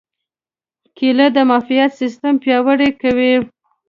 کېله د معافیت سیستم پیاوړی کوي.